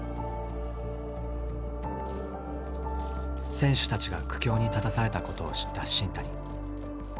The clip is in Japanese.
選手たちが苦境に立たされたことを知った新谷。